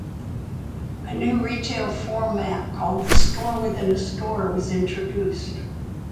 A new retail format called the "store within a store" was introduced.